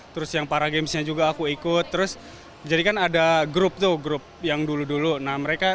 dua ribu delapan belas terus yang para gamesnya juga aku ikut terus jadikan ada grup tuh grup yang dulu dulu nah mereka